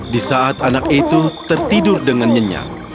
di saat anak itu tertidur dengan nyenyak